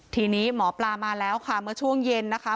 ทีนี้หมอปลามาแล้วค่ะเมื่อช่วงเย็นนะคะ